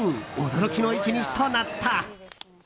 驚きの１日となった。